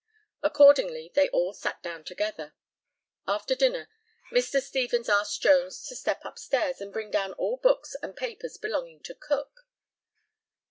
Accordingly they all sat down together. After dinner, Mr. Stevens asked Jones to step upstairs and bring down all books and papers belonging to Cook.